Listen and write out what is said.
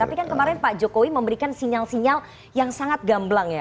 tapi kan kemarin pak jokowi memberikan sinyal sinyal yang sangat gamblang ya